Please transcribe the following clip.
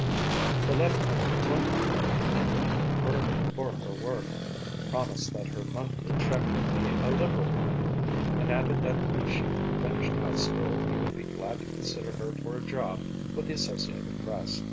The letter from McClintock commended her further for her work, promised that her monthly check would be a liberal one and added that when she finished high school he would be glad to consider her for a job with the Associated Press.